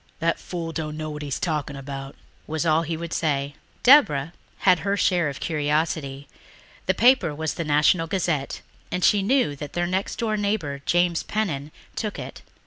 "That fool dunno what he's talking about," was all he would say. Deborah had her share of curiosity. The paper was the National Gazette and she knew that their next door neighbour, James Pennan, took it.